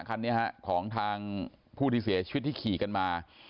คันนี้ฮะของทางผู้ที่เสียชีวิตที่ขี่กันมา